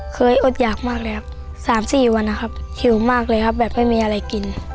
อดหยากมากเลยครับ๓๔วันนะครับหิวมากเลยครับแบบไม่มีอะไรกิน